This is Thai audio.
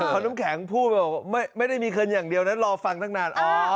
พอน้ำแข็งพูดแบบไม่ได้มีเงินอย่างเดียวนะรอฟังตั้งนาน